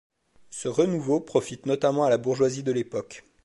Ce renouveau profite notamment à la bourgeoisie de l'époque.